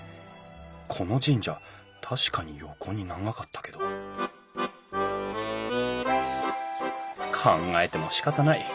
この神社確かに横に長かったけど考えてもしかたない。